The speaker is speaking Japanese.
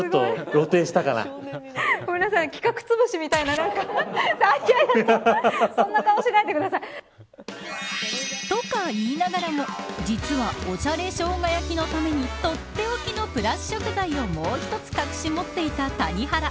何と今回は豚肉を使わないというんです。とか、言いながらも実は、おしゃれしょうが焼きのためにとっておきのプラス食材をもう一つ隠し持っていた谷原。